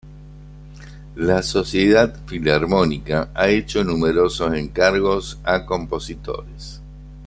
La Sociedad Filarmónica ha hecho numerosos encargos a compositores.